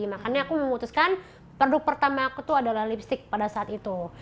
makanya aku memutuskan produk pertama aku tuh adalah lipstick pada saat itu